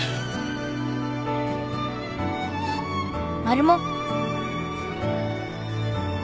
マルモ。